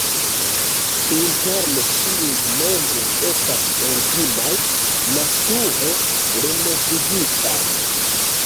Interne ĉiuj mebloj estas originaj, nature renovigitaj.